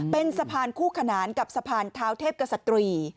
เป็นสะพานคู่ขนานกับสะพานเท้าเทพกษตรี